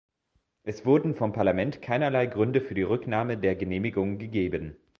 Es wurden vom Parlament keinerlei Gründe für die Rücknahme der Genehmigung gegeben.